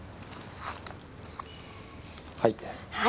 はい。